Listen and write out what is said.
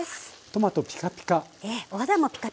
トマトピカピカ。